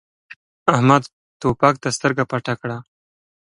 احمد توپک ته سترګه پټه کړه.